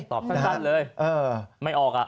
ตอบสั้นเลยไม่ออก